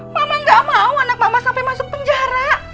mama gak mau anak mama sampai masuk penjara